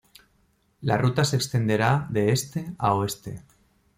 La ruta se extenderá de este a oeste.